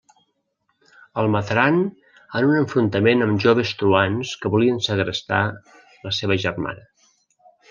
El mataran en un enfrontament amb joves truans que volien segrestar la seva germana.